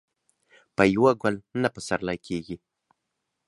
په يوه ګل نه پسرلی کېږي.